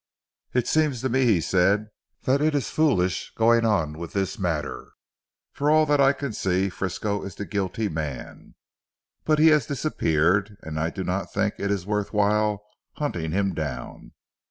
"It seems to me," he said, "that it is foolish going on with this matter. From all that I can see Frisco is the guilty man. But he has disappeared, and I do not think it is worth while hunting him down.